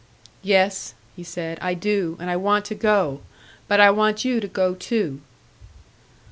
"Yes," he said, "I do, and I want to go. But I want you to go too."